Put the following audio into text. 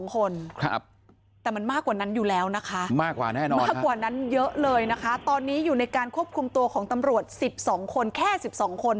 ๑๒คนแต่มันมากกว่านั้นอยู่แล้วนะคะมากกว่านั้นเยอะเลยนะคะแค่๑๒คน